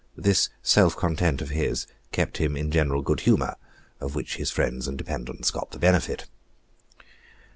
This self content of his kept him in general good humor, of which his friends and dependants got the benefit.